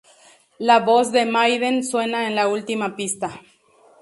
La voz de Maiden suena en la última pista.